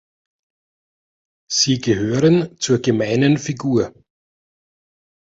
Sie gehören zur gemeinen Figur.